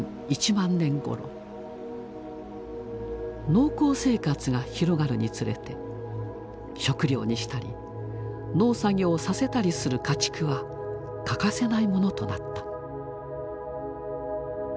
農耕生活が広がるにつれて食料にしたり農作業をさせたりする「家畜」は欠かせないものとなった。